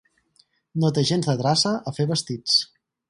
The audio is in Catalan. No té gens de traça a fer vestits.